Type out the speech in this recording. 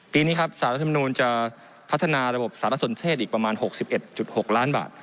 ปีนี้ครับสารรัฐมนูลจะพัฒนาระบบสารสนเทศอีกประมาณ๖๑๖ล้านบาท